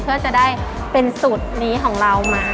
เพื่อจะได้เป็นสูตรนี้ของเรามา